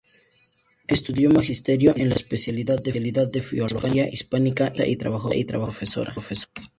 Estudió Magisterio en la especialidad de Filología hispánica y francesa y trabajó como profesora.